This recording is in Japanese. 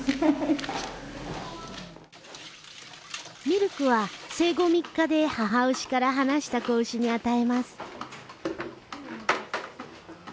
ミルクは生後３日で母牛から離した子牛に与えます。